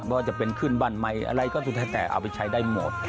ว่าจะเป็นขึ้นบ้านใหม่อะไรก็สุดท้ายแต่เอาไปใช้ได้หมด